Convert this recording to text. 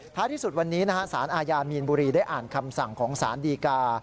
ที่สุดวันนี้สารอาญามีนบุรีได้อ่านคำสั่งของสารดีกา